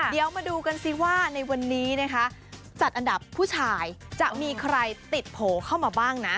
เดี๋ยวมาดูกันสิว่าในวันนี้นะคะจัดอันดับผู้ชายจะมีใครติดโผล่เข้ามาบ้างนะ